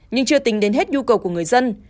nhưng chưa tính đến hết nhu cầu của người dân